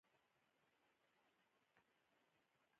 خو په ځینو ځانګړو شرایطو کې بنسټونه بدلون مومي.